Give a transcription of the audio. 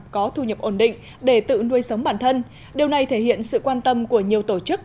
có thu nhập ổn định để tự nuôi sống bản thân điều này thể hiện sự quan tâm của nhiều tổ chức